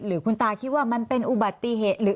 หรือคุณตาคิดว่ามันเป็นอุบัติเหตุหรือ